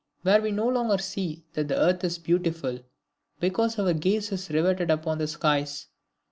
where we no longer see that the earth is beautiful, because our gaze is riveted upon the skies...